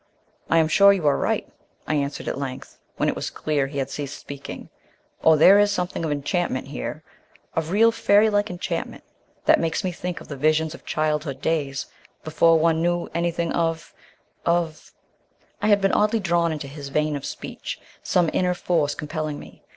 "I am sure you are right," I answered at length, when it was clear he had ceased speaking; "or there is something of enchantment here of real fairy like enchantment that makes me think of the visions of childhood days, before one knew anything of of " I had been oddly drawn into his vein of speech, some inner force compelling me.